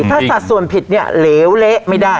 ถ้าสัดส่วนผิดเนี่ยเหลวเละไม่ได้